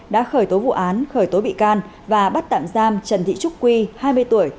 đã khởi tố vụ án khởi tố bị can và bắt tạm giam trần thị trúc quy hai mươi tuổi